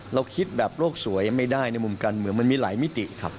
เราคิดแบบโลกสวยไม่ได้ในมุมการเมืองมันมีหลายมิติครับ